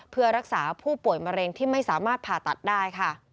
เพื่อรักษาผู้ป่วยมะเร็งที่ไม่สามารถผ่าตัดได้ค่ะ